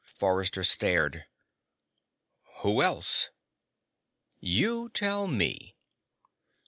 Forrester stared. "Who else?" "You tell me."